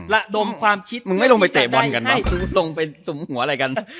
ระดมความคิดมึงไม่ลงไปเตะบอลกันเนอะลงไปสุมหัวอะไรกัน